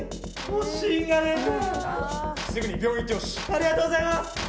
ありがとうございます！